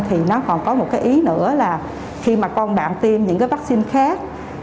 thì nó còn có một cái ý nữa là khi mà con bạn tiêm những cái vắc xin khác